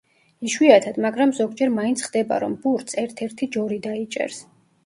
იშვიათად, მაგრამ ზოგჯერ მაინც ხდება, რომ ბურთს ერთ-ერთი „ჯორი“ დაიჭერს.